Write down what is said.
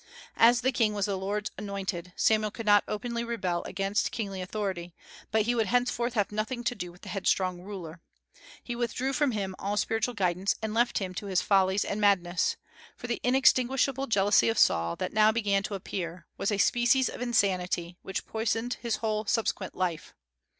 As the king was the "Lord's anointed," Samuel could not openly rebel against kingly authority, but he would henceforth have nothing to do with the headstrong ruler. He withdrew from him all spiritual guidance, and left him to his follies and madness; for the inextinguishable jealousy of Saul, that now began to appear, was a species of insanity, which poisoned his whole subsequent life.